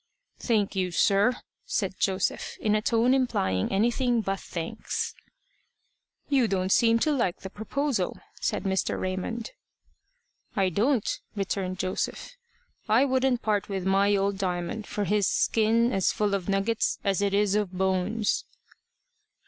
"Thank you, sir," said Joseph, in a tone implying anything but thanks. "You don't seem to like the proposal," said Mr. Raymond. "I don't," returned Joseph. "I wouldn't part with my old Diamond for his skin as full of nuggets as it is of bones."